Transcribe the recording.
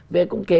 về công kế